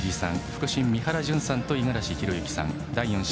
副審、三原純さんと五十嵐泰之さん。